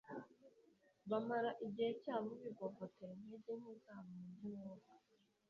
bamara igihe cyabo bivovotera intege nke zabo mu by'umwuka,